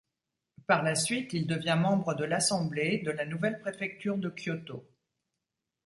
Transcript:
Par la suite, il devient membre de l'assemblée de la nouvelle préfecture de Kyoto.